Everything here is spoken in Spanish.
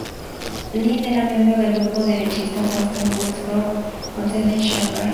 Lin era miembro del grupo derechista Western Hills Group con sede en Shanghai.